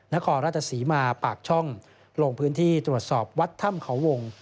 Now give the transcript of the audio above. นครราชศรีมาปากช่องลงพื้นที่ตรวจสอบวัดถ้ำเขาวง